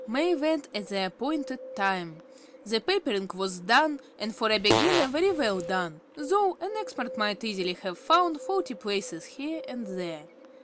May went at the appointed time. The papering was done, and for a beginner very well done, though an expert might easily have found faulty places here and there.